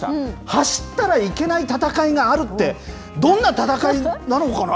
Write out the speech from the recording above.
走ったらいけない戦いがあるって、どんな戦いなのかな？